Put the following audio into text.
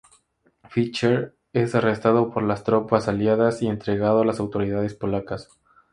Fischer es arrestado por las tropas aliadas y entregado a las autoridades polacas.